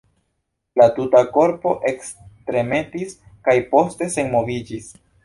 Lia tuta korpo ektremetis kaj poste senmoviĝis.